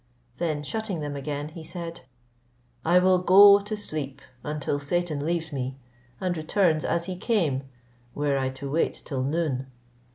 Then shutting them again, he said, "I will go to sleep until Satan leaves me, and returns as he came, were I to wait till noon."